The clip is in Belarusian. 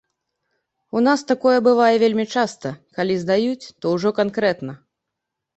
У нас такое бывае вельмі часта, калі здаюць, то ўжо канкрэтна.